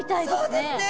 そうですね。